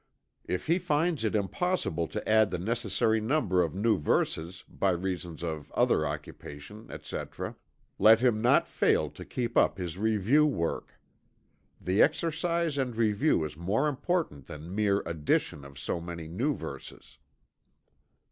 If he finds it impossible to add the necessary number of new verses, by reason of other occupation, etc., let him not fail to keep up his review work. The exercise and review is more important than the mere addition of so many new verses.